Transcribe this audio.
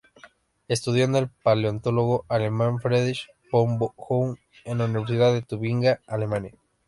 Estudió con el paleontólogo alemán Friedrich von Huene en la Universidad de Tubinga, Alemania.